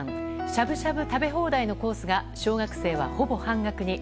しゃぶしゃぶ食べ放題のコースが小学生は、ほぼ半額に。